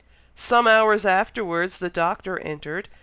Some hours afterwards the Doctor entered.